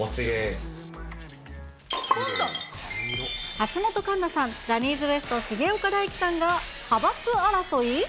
橋本環奈さん、ジャニーズＷＥＳＴ・重岡大毅さんが派閥争い？